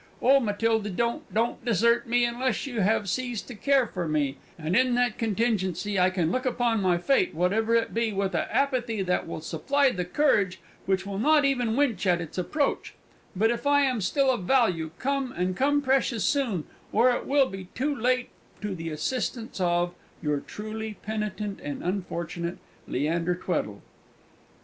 O Matilda don't, don't desert me, unless you have seased to care for me, and in that contingency I can look upon my Fate whatever it be with a apathy that will supply the courage which will not even winch at its approach, but if I am still of value, come, and come precious soon, or it will be too late to the Asistance of "Your truly penitent and unfortunate "LEANDER TWEDDLE.